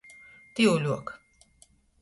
Tiuļuok.